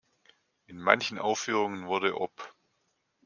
In manchen Aufführungen wurde op.